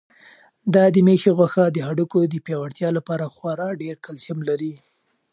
دا د مېښې غوښه د هډوکو د پیاوړتیا لپاره خورا ډېر کلسیم لري.